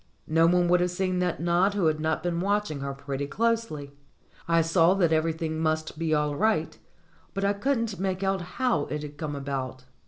No one would have seen that nod who had not been watching her pretty closely. I saw that every thing must be all right, but I couldn't make out how it had come about.